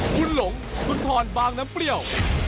คุณหลงคุณพรบางน้ำเปรี้ยว